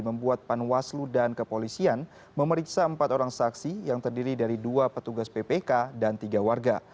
membuat panwaslu dan kepolisian memeriksa empat orang saksi yang terdiri dari dua petugas ppk dan tiga warga